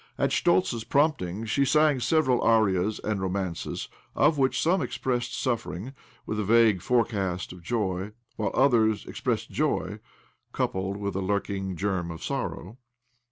At Schtoltz's prompting she sang several arias and romances, of which some expressed suffering, with a vague forecast of joy, while others expressed joy, coupled with a lurking germ of sorrow.